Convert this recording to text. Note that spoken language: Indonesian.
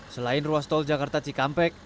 selain ruas tol jakarta cikampek